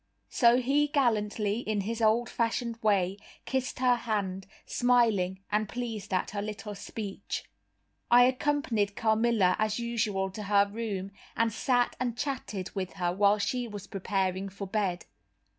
So he gallantly, in his old fashioned way, kissed her hand, smiling and pleased at her little speech. I accompanied Carmilla as usual to her room, and sat and chatted with her while she was preparing for bed.